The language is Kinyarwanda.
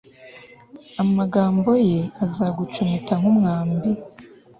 amagambo ye azagucumita nk'umwambi